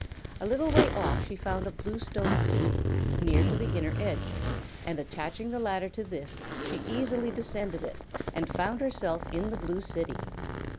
A little way off she found a bluestone seat, near to the inner edge, and attaching the ladder to this she easily descended it and found herself in the Blue City.